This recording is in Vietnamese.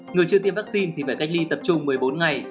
người chưa tiêm vaccine thì phải cách ly tập trung một mươi bốn ngày